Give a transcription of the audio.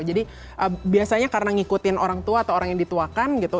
biasanya karena ngikutin orang tua atau orang yang dituakan gitu